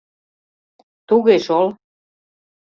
— Туге шол...